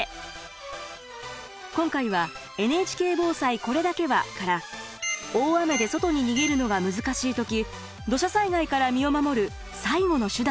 今回は「ＮＨＫ防災これだけは」から大雨で外に逃げるのが難しい時土砂災害から身を守る最後の手段について。